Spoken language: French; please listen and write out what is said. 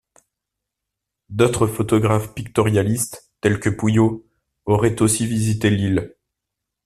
D'autres photographes pictorialistes, tels que Puyo, auraient aussi visité l'île.